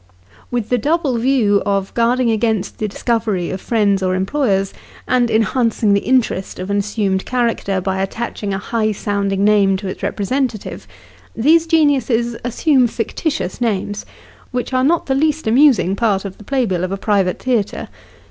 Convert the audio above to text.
With the double view of guarding against the discovery of friends or employers, and enhancing the interest of an assumed character, by attaching a high sounding name to its representative, these geniuses assume fictitious names, which are not the least amusing part of the play bill of a private theatre.